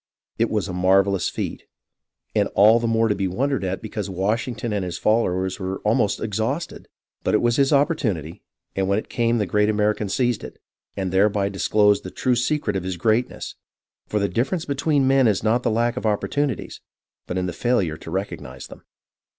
It was a marvellous feat, and all the more to be wondered at because Washington and his followers were almost exhausted. But it was his opportunity, and when it came the great Ameri can seized it, and thereby disclosed the true secret of his greatness ; for the difference between men is not in the lack of opportunities, but in the failure to recognize them.